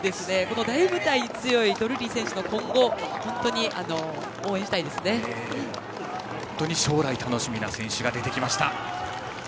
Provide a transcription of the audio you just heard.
大舞台に強いドルーリー選手の今後本当に将来楽しみな選手が出てきました。